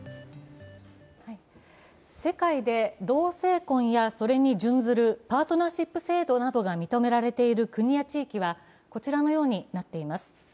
世界で同姓婚やそれに準ずるパートナーシップ制度などが認められている国や地域はこちらのようになっています。